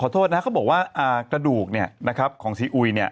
ขอโทษนะเค้าบอกว่ากระดูกของซีอุยเนี่ย